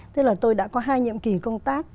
thế là tôi đã có hai nhiệm kỳ công tác